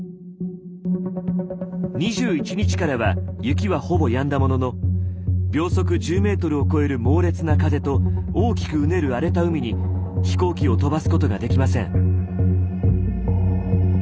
２１日からは雪はほぼやんだものの秒速１０ｍを超える猛烈な風と大きくうねる荒れた海に飛行機を飛ばすことができません。